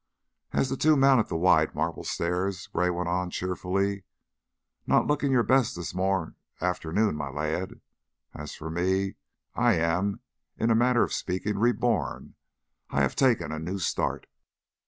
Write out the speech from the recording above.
As the two mounted the wide marble stairs Gray went on, cheerfully: "Not looking your best this morn afternoon, my lad. As for me, I am, in a manner of speaking, reborn. I have taken a new start.